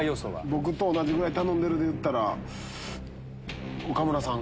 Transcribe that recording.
僕と同じくらい頼んでるでいったら岡村さん。